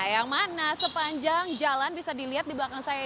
yang mana sepanjang jalan bisa dilihat di belakang saya